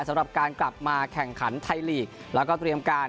สำหรับการกลับมาแข่งขันทายลีกและเรียบกว่า